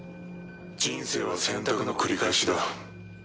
人生は選択の繰り返しだ。